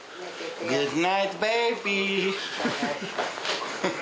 グッドナイトベビー。